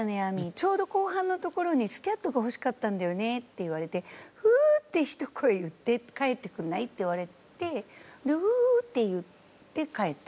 ちょうど後半のところにスキャットが欲しかったんだよね」って言われて「『う』ってひと声言って帰ってくれない？」って言われて「う」って言って帰った。